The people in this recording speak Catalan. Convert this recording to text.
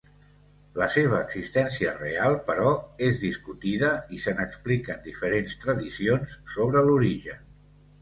La seva existència real, però, és discutida, i se n'expliquen diferents tradicions sobre l'origen.